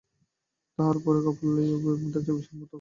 তাহার পরে কাপড় লইয়া উভয়ের মধ্যে একটা বিষম তর্ক বাধিয়া গেল।